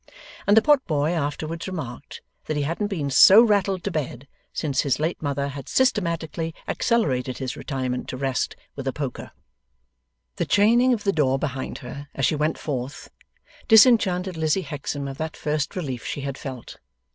And the pot boy afterwards remarked, that he hadn't been 'so rattled to bed', since his late mother had systematically accelerated his retirement to rest with a poker. The chaining of the door behind her, as she went forth, disenchanted Lizzie Hexam of that first relief she had felt.